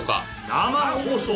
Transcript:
生放送！